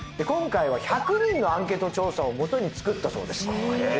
今回は１００人のアンケート調査をもとに作ったそうです